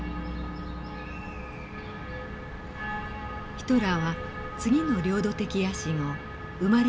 ヒトラーは次の領土的野心を生まれ